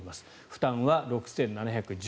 負担は６７１３円。